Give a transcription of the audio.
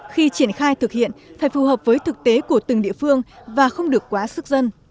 khi triển khai thực hiện phải phù hợp với thực tế của từng địa phương và không được quá sức dân